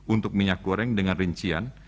untuk minyak goreng dengan rincian